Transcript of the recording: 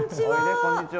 こんにちは。